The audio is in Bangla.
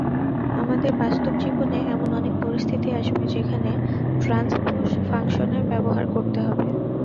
আমাদের বাস্তব জীবনে এমন অনেক পরিস্থিতি আসবে যেখানে ট্রান্সপোস ফাংশনের ব্যবহার করতে হবে।